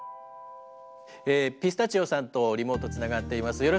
ピスタチオさんとリモートつながっています。